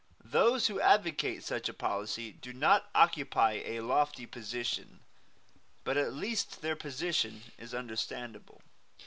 Those who advocate such a policy do not occupy a lofty position. But at least their position is understandable.